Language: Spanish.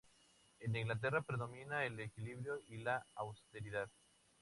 En Inglaterra predomina el equilibrio y la austeridad.